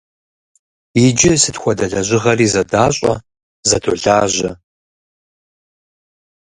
Иджы сыт хуэдэ лэжьыгъэри зэдащӀэ, зэдолажьэ.